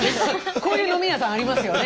こういう飲み屋さんありますよね。